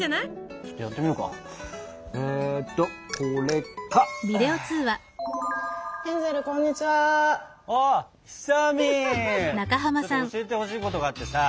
ちょっと教えてほしいことがあってさ。